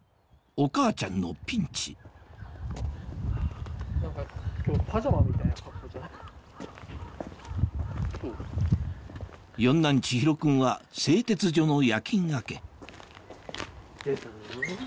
お母ちゃんのピンチ四男・智広君は製鉄所の夜勤明け出たな。